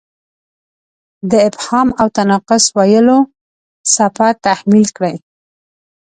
د ابهام او تناقض ویلو څپه تحمیل کړې.